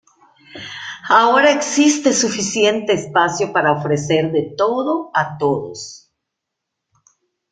Ahora, existe suficiente espacio para ofrecer de todo, a todos.